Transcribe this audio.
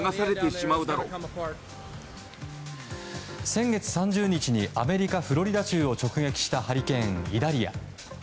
先月３０日にアメリカ・フロリダ州を直撃したハリケーン、イダリア。